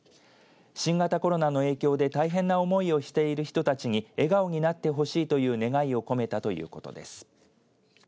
新型コロナの影響で大変な思いをしている人たちに笑顔になってほしいという願いを込めたということです。